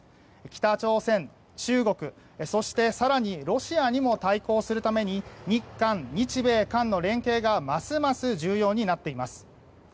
北朝鮮、中国、そして更にロシアにも対抗するために日韓、日米韓の連携がますます重要になっています。